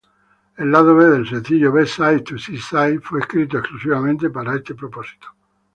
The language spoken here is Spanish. El lado B del sencillo, "B-side to Seaside", fue escrito exclusivamente para este propósito.